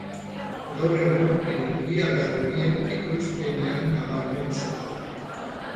Gaur egun, energia garbien ekoizpenean nabarmentzen da.